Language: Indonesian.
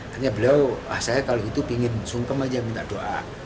hanya beliau asalnya kalau gitu ingin sungkem aja minta doa